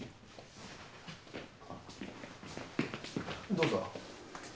どうぞ。